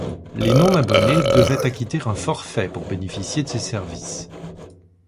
Les non-abonnés devaient acquitter un forfait pour bénéficier de ces services.